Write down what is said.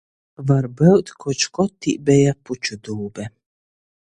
Varbyut koč kod tī beja puču dūbe.